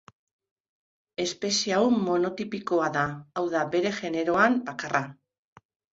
Espezie hau monotipikoa da, hau da, bere generoan bakarra.